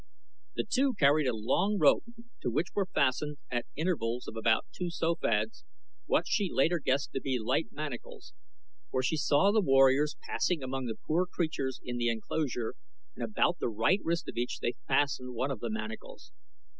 The two carried a long rope to which were fastened, at intervals of about two sofads, what she later guessed were light manacles, for she saw the warriors passing among the poor creatures in the enclosure and about the right wrist of each they fastened one of the manacles.